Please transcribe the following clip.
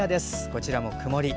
こちらも曇り。